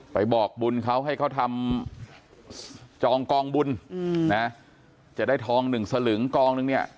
ไปบอกบุญเขาให้เขาทำจองกองบุญนะจะได้ทองหนึ่งสลึงกองนึงเนี่ย